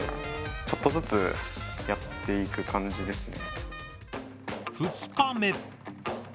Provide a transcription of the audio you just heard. ちょっとずつやっていく感じですね。